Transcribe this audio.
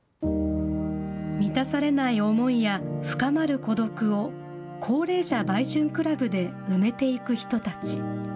満たされない思いや深まる孤独を、高齢者売春クラブで埋めていく人たち。